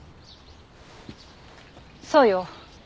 そうよ。